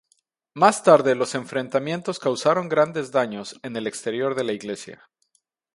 Más tarde los enfrentamientos causaron grandes daños en el exterior de la iglesia.